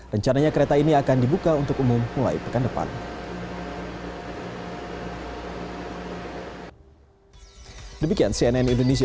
rencananya kereta ini akan dibuka untuk umum mulai pekan depan